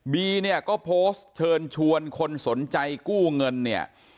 บีเนี่ยก็โพสต์เชิญชวนคนสนใจกู้เงินเนี่ย